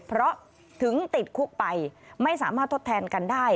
เพราะถึงติดคุกไปไม่สามารถทดแทนกันได้